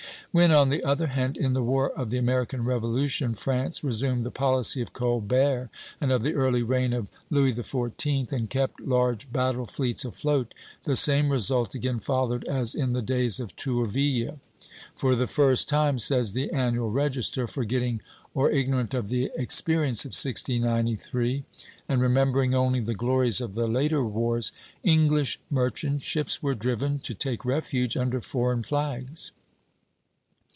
" When, on the other hand, in the War of the American Revolution France resumed the policy of Colbert and of the early reign of Louis XIV., and kept large battle fleets afloat, the same result again followed as in the days of Tourville. "For the first time," says the Annual Register, forgetting or ignorant of the experience of 1693, and remembering only the glories of the later wars, "English merchant ships were driven to take refuge under foreign flags."